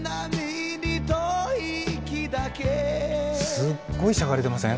すっごいしゃがれてません？